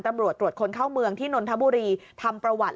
ตำรวจตรวจคนเข้าเมืองที่นนทบุรีทำประวัติ